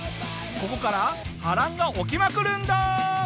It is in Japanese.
ここから波乱が起きまくるんだ！